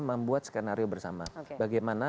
membuat skenario bersama bagaimana